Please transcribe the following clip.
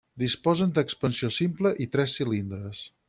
Disposen d’expansió simple i tres cilindres.